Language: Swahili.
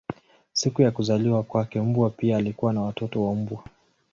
Siku ya kuzaliwa kwake mbwa pia alikuwa na watoto wa mbwa.